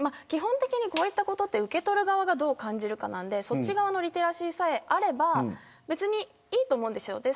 基本的にこういったことって受け取る側がどう感じるかなんでそっち側のリテラシーさえあれば別にいいと思うんですよ。